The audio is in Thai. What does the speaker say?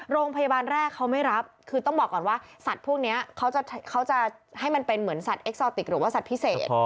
โรงพยาบาลแรกเขาไม่รับคือต้องบอกก่อนว่าสัตว์พวกนี้เขาจะให้มันเป็นเหมือนสัตว์เอ็กซอติกหรือว่าสัตว์พิเศษ